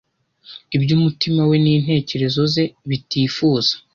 ibyo umutima we n’ intekerezo ze bitifuzaga,